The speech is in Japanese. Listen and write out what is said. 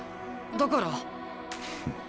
だから。